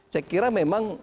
saya kira memang